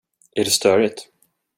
Är det störigt?